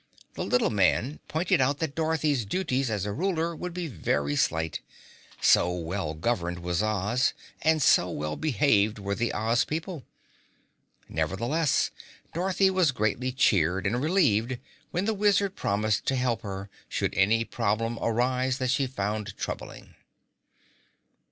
The little man pointed out that Dorothy's duties as a ruler would be very slight, so well governed was Oz and so well behaved were the Oz people. Nevertheless, Dorothy was greatly cheered and relieved when the Wizard promised to help her, should any problem arise that she found troubling.